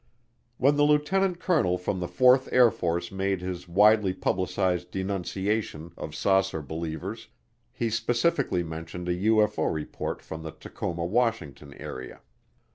When the lieutenant colonel from the Fourth Air Force made his widely publicized denunciation of saucer believers he specifically mentioned a UFO report from the Tacoma, Washington, area.